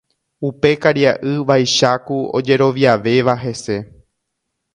Upe karia'y vaicháku ojeroviavéva hese